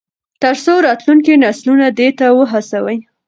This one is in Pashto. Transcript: تر څو راتلونکي نسلونه دې ته وهڅوي.